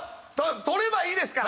とればいいですから。